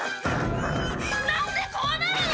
なんでこうなるの！？